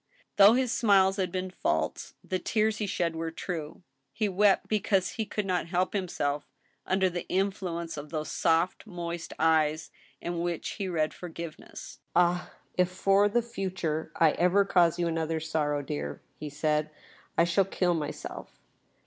Though his smiles had been false, the tears he shed were true. He wept because he could not help himself under the influence of those soft, moist eyes, in which he read forgiveness. THE JUDGMENT OF GOD. 169 " Ah ! if for the future I ever cause you another sorrow, dear !'* he said, "I shall kill myself!"